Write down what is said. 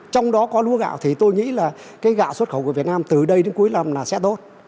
trong đó có lúa gạo thì tôi nghĩ gạo xuất khẩu của việt nam từ đây đến cuối năm sẽ tốt